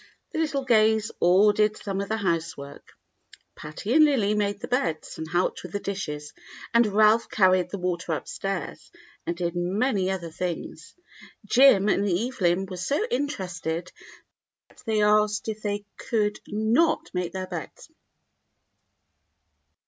The little Gays all did some of the housework. Patty and Lily made the beds and helped with the dishes, and Ralph carried the water upstairs, and did many other things. Jim and Evelyp were so interested that they asked if they could not make their beds.